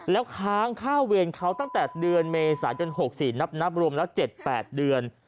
แล้วค้างค่าเวรเขาตั้งแต่เดือนเมษายน๖๔นับรวมแล้ว๗๘เดือน